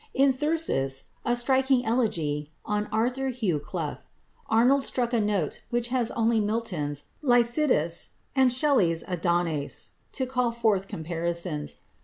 In "Thyrsis," a striking elegy on =Arthur Hugh Clough (1819 1861)=, Arnold struck a note which has only Milton's "Lycidas" and Shelley's "Adonais" to call forth comparisons.